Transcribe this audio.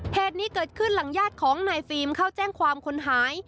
เหตุนี้เกิดขึ้นหลังญาติของนายฟิล์มเข้าแจ้งความคนหาย